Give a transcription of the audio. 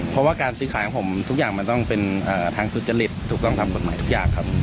เพราะว่าการซื้อขายของผมทุกอย่างมันต้องเป็นทางสุจริตถูกต้องตามกฎหมายทุกอย่างครับ